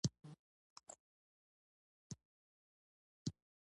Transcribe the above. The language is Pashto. دغه نښې په سمو لوستلو کې له لوستونکي سره مرسته کوي.